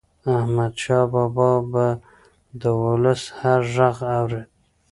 احمدشاه بابا به د ولس هر ږغ اورېده.